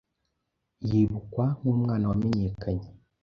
yibukwa nk’umwana wamenyekanye